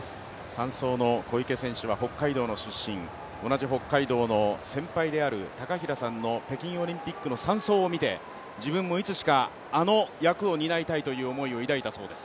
３走の小池選手は北海道の出身、同じ北海道の先輩である高平さんの北京オリンピックの３走を見て自分もいつしかあの役を担いたいという思いを抱いたそうです。